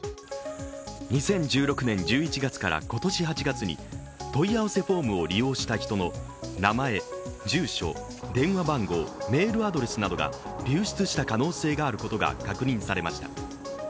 ２０１６年１１月から今年８月に問い合わせフォームを利用した人の名前、住所、電話番号、メールアドレスなどが流出した可能性があることが確認されました。